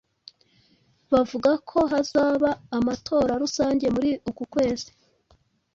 Bavuga ko hazaba amatora rusange muri uku kwezi.